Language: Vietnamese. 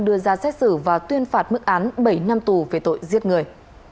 đưa ra xét xử và tuyên phạt mức án bảy năm tù về tội giết người